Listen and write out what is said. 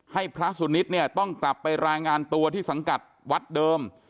ให้พระสุนิทเนี่ยต้องกลับไปรายงานตัวที่สังกัดวัดเดิม